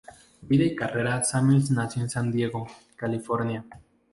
Vida y carrera Samuels nació en San Diego, California.